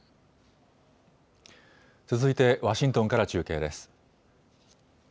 続いてワシントンから中継です。